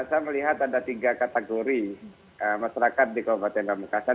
saya melihat ada tiga kategori masyarakat di kabupaten pamekasan